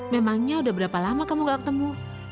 memangnya udah berapa lama kamu gak ketemu